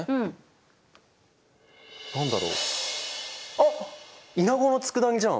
あっイナゴの佃煮じゃん！